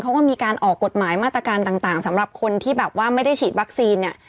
เขาก็มีการออกกฎหมายมาตรการต่างสำหรับคนที่แบบว่าไม่ได้ฉีดวัคซีนเนี่ย